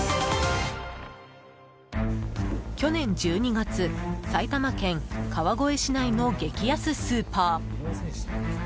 去年１２月埼玉県川越市内の激安スーパー。